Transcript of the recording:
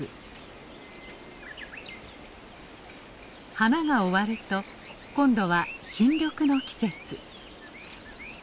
花が終わると今度は新緑の季節。